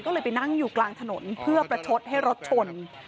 ก็เลยไปนั่งอยู่กลางถนนเพื่อประชดให้รถชน